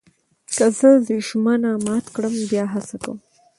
که زه ژمنه مات کړم، بیا هڅه کوم.